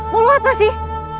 mau lo apa sih